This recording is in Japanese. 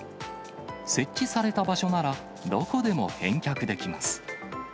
設置された場所ならどこでも返却できます。